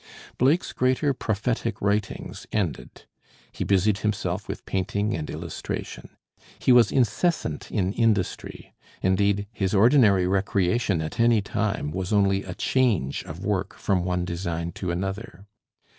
Blake's greater "prophetic" writings ended, he busied himself with painting and illustration. He was incessant in industry; indeed, his ordinary recreation at any time was only a change of work from one design to another.